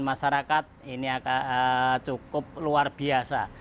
masyarakat ini cukup luar biasa